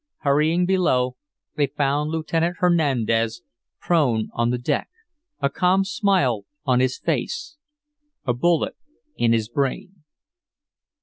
Hurrying below they found Lieutenant Hernandez prone on the deck, a calm smile on his face, a bullet in his brain."